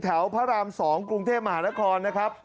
แถวพระราม๒กรุงเทพฯมหานคร